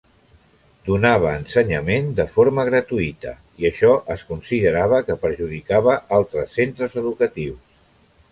Donava ensenyament de forma gratuïta i això es considerava que perjudicava altres centres educatius.